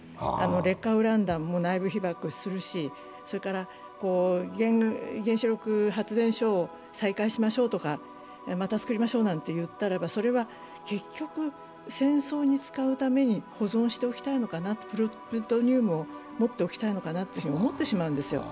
劣化ウラン弾も内部被爆をするし、原子力発電所を再開しましょうとかまた作りましょうとか言ったらそれは結局、戦争に使うために保存しておきたいのかな、プルトニウムを持っておきたいのかなと思ってしまうんですよ。